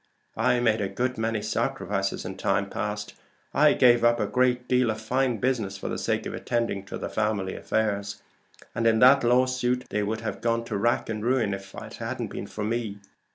I made a good many sacrifices in times past. I gave up a great deal of fine business for the sake of attending to the family affairs, and in that lawsuit they would have gone to rack and ruin if it hadn't been for me."